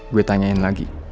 gue tanyain lagi